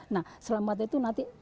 nah selamatan itu nanti